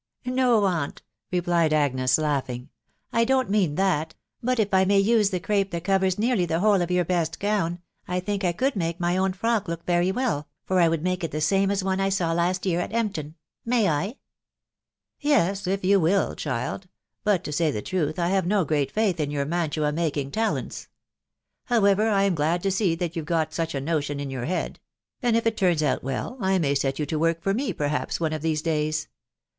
" No, aunt," replied Agnes, laughing, " I don't mean that ; but if I may use the crape that covers nearly the whole of your best gown, I think I could make my own frock look very well, for I would make it the same as one I saw last year atEmpton. May I?" " Yes, if you will, child; but to say the truth, I have no great /kith In your mantua making talents. Honetex, L am glad ■■M&ftt/ou have got such a notion. \n y>\« Ve»A\ uAVl THE WIDOW BARNABY. 157 it turns out well, I may set yon to work for me perhaps one of these days.